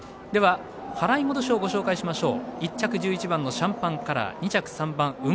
払い戻しをご紹介しましょう。